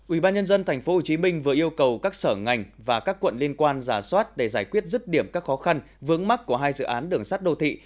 ubnd tp hcm vừa yêu cầu các sở ngành và các quận liên quan giả soát để giải quyết rứt điểm các khó khăn vướng mắt của hai dự án đường sắt đô thị